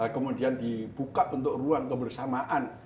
kemudian dibuka bentuk ruang kebersamaan